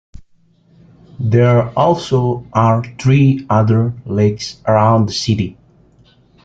There also are three other lakes around the city.